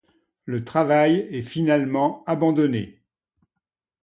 Le travail est finalement abandonné.